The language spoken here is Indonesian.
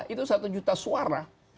itu satu juta suara